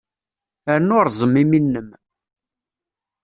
Rnu rẓem imi-nnem.